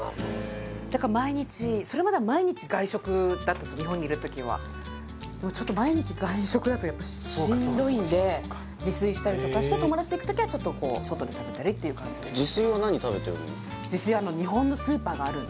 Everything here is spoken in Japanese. だから毎日それまでは毎日外食だったんです日本にいる時はでもちょっと毎日外食だとやっぱしんどいんでそうかそうか自炊したりして友達と行く時は外で食べたりっていう感じです・